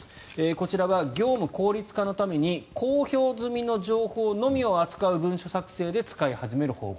こちらは業務効率化のために公表済みの情報のみを扱う文書作成で使い始める方向。